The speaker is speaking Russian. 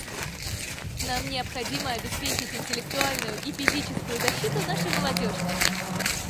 Нам необходимо обеспечить интеллектуальную и физическую защиту нашей молодежи.